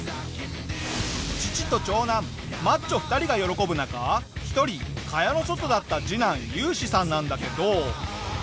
父と長男マッチョ２人が喜ぶ中１人蚊帳の外だった次男ユウシさんなんだけど。